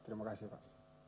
terima kasih pak